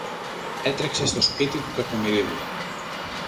Έτρεξε στο σπίτι του Κακομοιρίδη